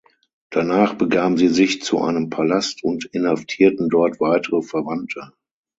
Danach begaben sie sich zu seinem Palast und inhaftierten dort weitere Verwandte.